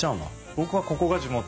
僕はここが地元。